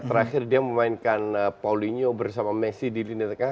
terakhir dia memainkan poligno bersama messi di liniatka